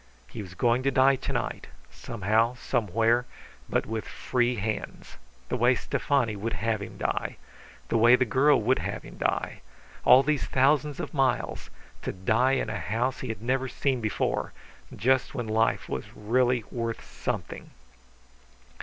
He was going to die to night, somehow, somewhere, but with free hands, the way Stefani would have him die, the way the girl would have him die. All these thousands of miles to die in a house he had never seen before, just when life was really worth something!